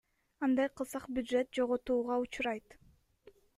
Андай кылсак бюджет жоготууга учурайт.